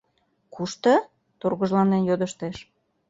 Кушто? — тургыжланен йодыштеш.